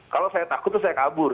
kalau saya takut itu saya kabur